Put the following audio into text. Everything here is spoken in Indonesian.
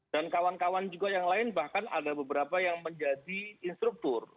dan kawan kawan juga yang lain bahkan ada beberapa yang menjadi instruktur